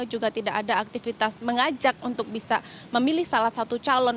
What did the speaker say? juga tidak ada aktivitas mengajak untuk bisa memilih salah satu calon